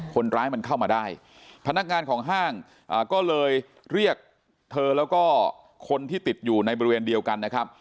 คนร้ายมันเข้ามาได้พนักงานของห้างก็เลยเรียกเธอแล้วก็คนที่ติดอยู่ในบริเวณเดียวกันนะครับ